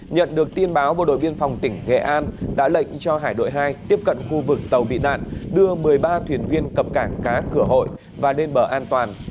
nhận được tin báo bộ đội biên phòng tỉnh nghệ an đã lệnh cho hải đội hai tiếp cận khu vực tàu bị nạn đưa một mươi ba thuyền viên cập cảng cá cửa hội và lên bờ an toàn